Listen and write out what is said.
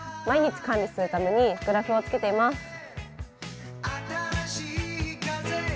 毎日管理するためにグラフをつけています。